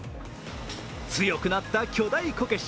強くなった巨大こけし。